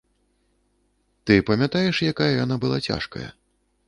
Ты памятаеш, якая яна была цяжкая?